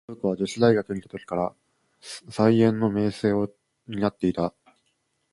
信子は女子大学にゐた時から、才媛の名声を担ってゐた。